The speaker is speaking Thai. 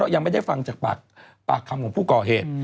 ยังไม่ได้ฟังจากปากคำของผู้ก่อเหตุ